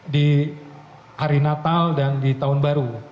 di hari natal dan di tahun baru